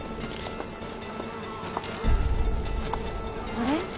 あれ？